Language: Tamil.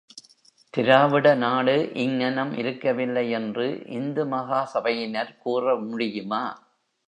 திராவிட நாடு இங்ஙனம் இருக்கவில்லை என்று இந்து மகா சபையினர் கூற முடியுமா?